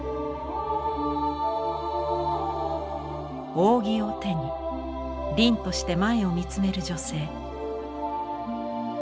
扇を手に凛として前を見つめる女性。